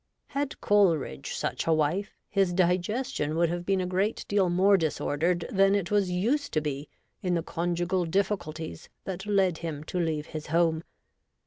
Had Coleridge such a wife, his digestion would have been a great deal more disordered than It was used to be in the conjugal difficulties that led him to leave his home.